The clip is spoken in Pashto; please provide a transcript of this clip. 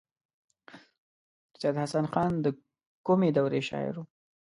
سید حسن خان د کومې دورې شاعر و.